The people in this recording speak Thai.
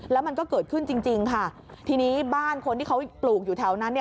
แล้วมันก็เกิดขึ้นจริงจริงค่ะทีนี้บ้านคนที่เขาปลูกอยู่แถวนั้นเนี่ย